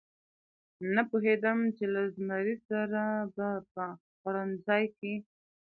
نه پوهېدم چې له زمري سره به په خوړنځای کې.